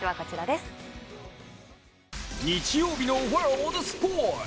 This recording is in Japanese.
日曜日のワールドスポーツ。